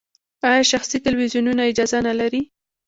آیا شخصي تلویزیونونه اجازه نلري؟